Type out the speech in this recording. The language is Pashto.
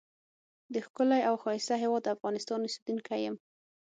دښکلی او ښایسته هیواد افغانستان اوسیدونکی یم.